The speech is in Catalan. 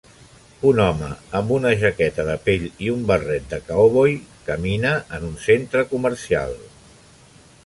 Un home amb una jaqueta de pell i un barret de cowboy camina en un centre comercial